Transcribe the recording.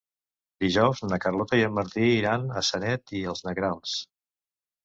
Dijous na Carlota i en Martí iran a Sanet i els Negrals.